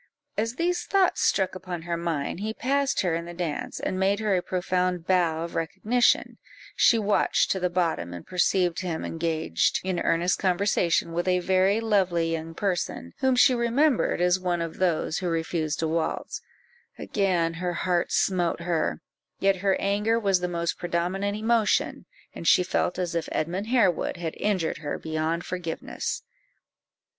As these thoughts struck upon her mind, he passed her in the dance, and made her a profound bow of recognition; she watched to the bottom, and perceived him engaged in earnest conversation with a very lovely young person, whom she remembered as one of those who refused to waltz; again her heart smote her, yet her anger was the most predominant emotion, and she felt as if Edmund Harewood had injured her beyond forgiveness.